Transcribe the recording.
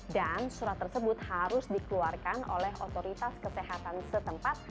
dan surat tersebut harus dikeluarkan oleh otoritas kesehatan setempat